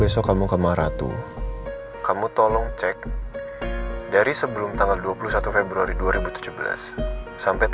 sama dat label ini